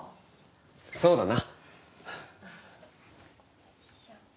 そうだな。